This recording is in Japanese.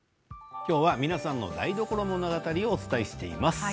今日は皆さんの台所物語をお伝えしています。